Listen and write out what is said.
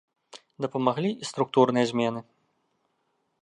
Дапамаглі і структурныя змены.